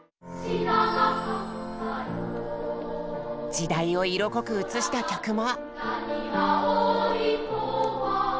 時代を色濃く映した曲も。